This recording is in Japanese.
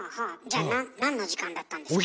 じゃ何の時間だったんですか？